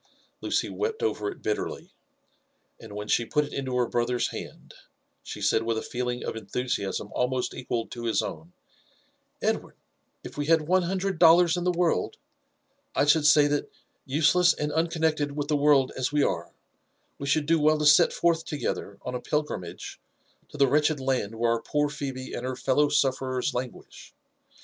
Lucy wept over it bitter ly, and when she put it into her brother's hand, she said with a feel ing of enthusiasm almost equal to his own, *' Edward I if we had one hundred dollars in the world, I should say that, useless and uncon nected with the world as we are, we should do well to set forth toge ther on a pilgrimage to the wretched land where our poor Phebe and her fellow sufferers languish.